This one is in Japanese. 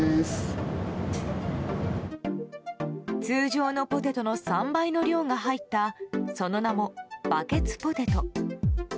通常のポテトの３倍の量が入ったその名もバケツポテト。